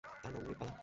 তাঁর নাম নৃপবালা।